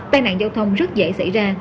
tai nạn giao thông rất dễ xảy ra